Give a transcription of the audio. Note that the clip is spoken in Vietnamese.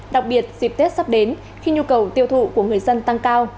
đặc biệt dịp tết sắp đến khi nhu cầu tiêu thụ của người dân tăng cao